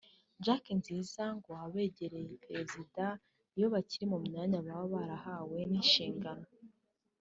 Jack Nziza ngo baba begereye Perezida iyo bakiri mu myanya baba barahawe n’inshingano